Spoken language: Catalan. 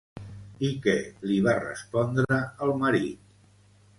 I què li va respondre el marit?